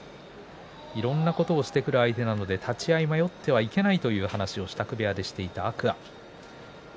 いろんなことをしてくる相手なので立ち合い迷ってはいけないということを話していました天空海。